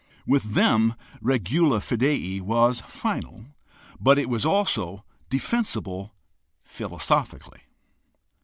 With them regula fidei was final, but it was also defensible philosophically.